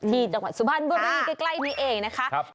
ที่จังหวัดสุภัณฑ์บุรีใกล้นี้เองนะคะ